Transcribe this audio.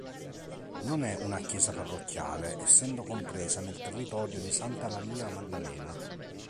Non è una chiesa parrocchiale, essendo compresa nel territorio di Santa Maria Maddalena.